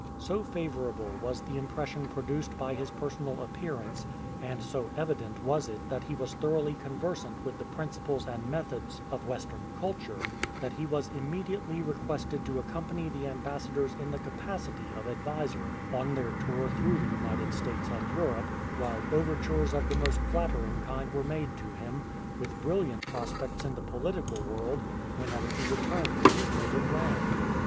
So favour able was the impression produced by his personal appear ance, and so evident was it that he was thoroughly conversant with the principles and methods of Western culture, that he was immediately requested to accompany the ambassadors in the capacity of adviser, on their tour through the United States and Europe ; while overtures of the most flattering kind were made to him, with brilliant prospects in the political world whenever he returned to his native land.